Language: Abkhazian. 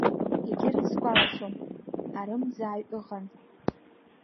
Егьырҭ сгәалашәом, арымӡааҩ ыҟан…